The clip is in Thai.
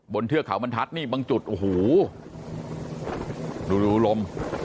บนเทือกเขามันทัดนี่บางจุดโอ้โหดูลม